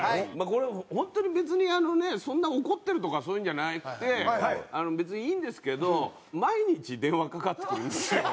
本当に別にそんな怒ってるとかそういうのじゃなくて別にいいんですけど毎日電話かかってくるんですよ。